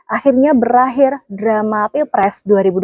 akhirnya berakhir drama p press dua ribu dua puluh empat